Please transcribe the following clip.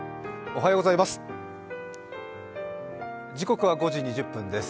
おはようございます。